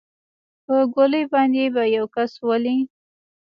په ګولۍ باندې به يو کس ولې.